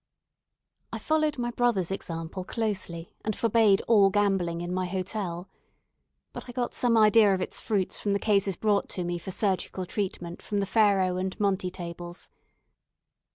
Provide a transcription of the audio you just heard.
I followed my brother's example closely, and forbade all gambling in my hotel. But I got some idea of its fruits from the cases brought to me for surgical treatment from the faro and monte tables.